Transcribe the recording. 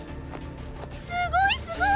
すごいすごい！